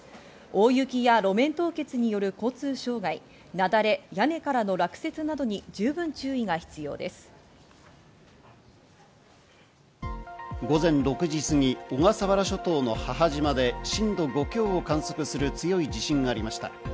大雪や路面凍結による交通障害、雪崩、屋根からの落雪等に十分注午前６時すぎ、小笠原諸島の母島で震度５強を観測する強い地震がありました。